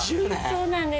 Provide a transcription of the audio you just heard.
そうなんです。